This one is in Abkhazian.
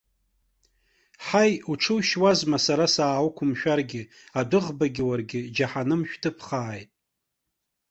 Ҳаи, уҽушьуазма сара саауқәымшәаргьы, адәыӷбагьы уаргьы џьаҳаным шәҭыԥхааит.